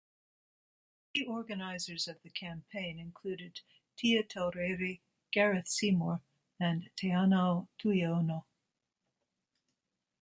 Key organisers of the campaign included Tia Taurere, Gareth Seymour and Teanau Tuiono.